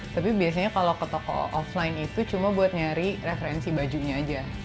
tapi biasanya kalau ke toko offline itu cuma buat nyari referensi bajunya aja